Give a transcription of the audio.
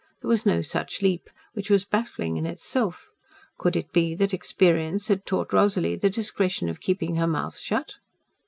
There was no such leap, which was baffling in itself. Could it be that experience had taught Rosalie the discretion of keeping her mouth shut?